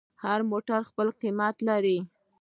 هر موټر خپل قیمت لري.